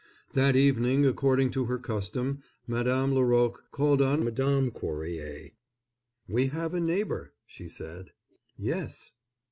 That evening, according to her custom, Madame Laroque called on Madame Cuerrier. "We have a neighbor," she said. "Yes."